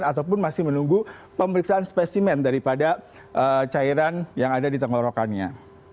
ataupun masih menunggu pemeriksaan spesimen daripada cairan yang ada di tenggorokannya